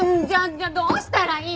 じゃあどうしたらいいの！？